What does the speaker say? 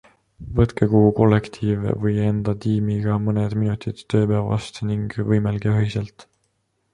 Võtke kogu kollektiivi või enda tiimiga mõned minutid tööpäevast ning võimelge ühiselt.